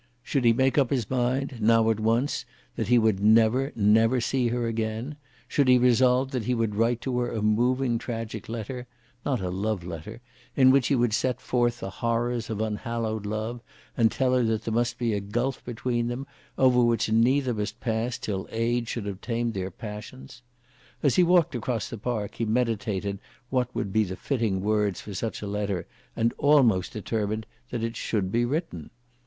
Should he make up his mind, now at once, that he would never, never see her again? Should he resolve that he would write to her a moving tragic letter, not a love letter, in which he would set forth the horrors of unhallowed love, and tell her that there must be a gulf between them, over which neither must pass till age should have tamed their passions! As he walked across the park he meditated what would be the fitting words for such a letter, and almost determined that it should be written.